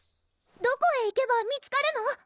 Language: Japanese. どこへ行けば見つかるの？